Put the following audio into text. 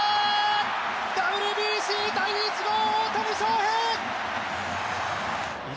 ＷＢＣ第１号、大谷翔平。